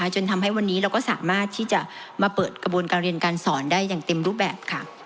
จนทำให้วันนี้เราก็สามารถที่จะมาเปิดกระบวนการเรียนการสอนได้อย่างเต็มรูปแบบ